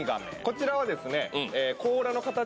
こちらはですね